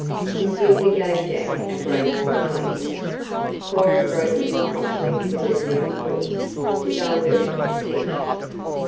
Cecilia gave Jack a grateful glance. Cora broke in promptly with a new thought to divert attention.